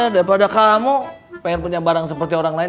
daripada kamu pengen punya barang seperti orang lain